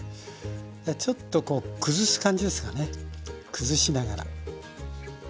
ちょっとこう崩す感じですかね崩しながら。